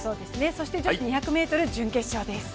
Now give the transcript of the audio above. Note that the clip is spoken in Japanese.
そして女子２００ｍ準決勝です。